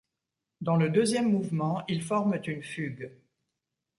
Dans le deuxième mouvement, ils forment une fugue.